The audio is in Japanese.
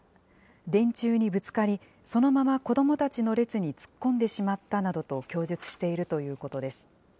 電柱にぶつかり、そのまま子どもたちの列に突っ込んでしまったなどと供述しているということです。